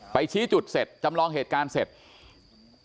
ชี้จุดเสร็จจำลองเหตุการณ์เสร็จ